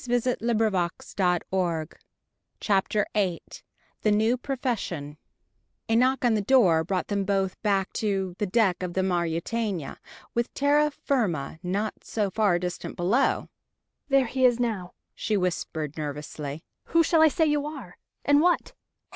VIII THE NEW PROFESSION A knock on the door brought them both back to the deck of the Mauretania, with terra firma not so far distant below! "There he is now," she whispered nervously. "Who shall I say you are? And what?"